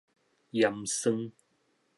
鹽酸